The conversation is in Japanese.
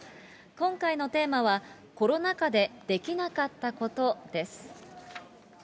今回のテーマは、コロナ禍でできなかったコトです。